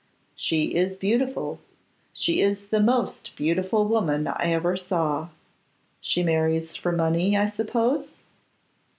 'She is beautiful: she is the most beautiful woman I ever saw. She marries for money, I suppose?